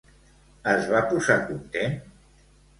Es va posar content?